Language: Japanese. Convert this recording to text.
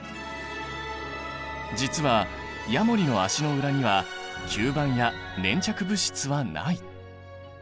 実はヤモリの足の裏には吸盤や粘着物質はない。